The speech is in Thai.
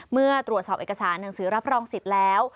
เมื่อตรวจสอบเอกสารหนังสือรับรองสิทธิ์แล้ว